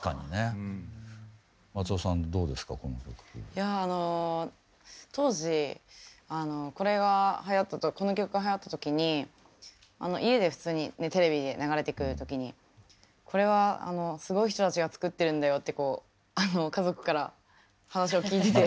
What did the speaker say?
いやあの当時あのこの曲がはやった時に家で普通にテレビで流れてくる時に「これはすごい人たちが作ってるんだよ」ってこう家族から話を聞いてて。